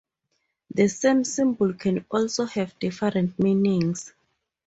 The same symbol can also have different meanings.